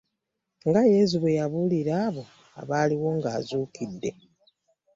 Nga Yezu bwe yabuulira abo abaaliwo ng'azuukidde.